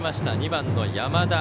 ２番の山田。